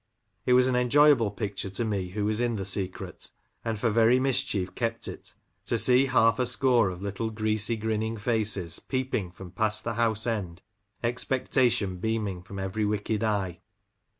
It was an enjoyable picture to me who was in the secret, and for very mischief kept it, to see half a score of little greasy, grin ning faces, peeping from past the house end, expectation beaming from every wicked eye.